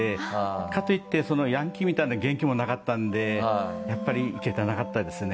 かといってヤンキーみたいな元気もなかったんでやっぱりイケてなかったですね。